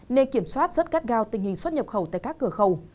nên kiểm soát rất gắt gao tình hình xuất nhập khẩu tại các cửa khẩu